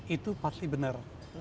itu pasti benar